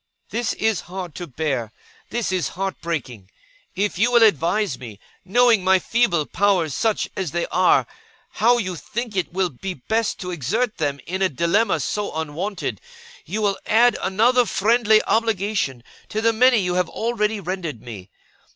'This is hard to bear. This is heart breaking. If you will advise me, knowing my feeble powers such as they are, how you think it will be best to exert them in a dilemma so unwonted, you will add another friendly obligation to the many you have already rendered me.